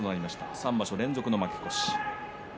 ３場所連続の負け越し。